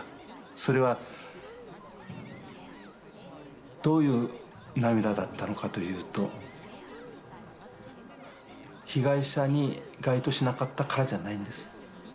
それはどういう涙だったのかというと被害者に該当しなかったからじゃないんです。